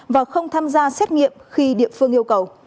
và không tham gia xét nghiệm khi địa phương yêu cầu